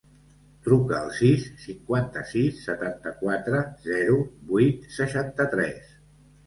Truca al sis, cinquanta-sis, setanta-quatre, zero, vuit, seixanta-tres.